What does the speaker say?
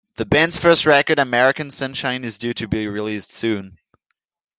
The band's first record "American Sunshine" is due to be released soon.